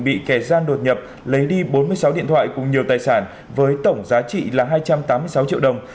bị kẻ gian đột nhập lấy đi bốn mươi sáu điện thoại cùng nhiều tài sản với tổng giá trị là hai trăm tám mươi sáu triệu đồng